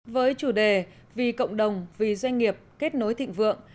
với chủ đề vì cộng đồng vì doanh nghiệp kết nối thịnh vượng